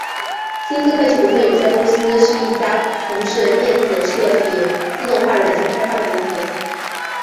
新思科技股份有限公司是一家从事电子设计自动化软件开发的公司。